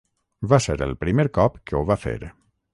Va ser el primer cop que ho va fer.